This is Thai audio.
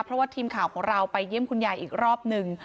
เพราะว่าทีมข่าวของเราไปเยี่ยมคุณยายอีกรอบหนึ่ง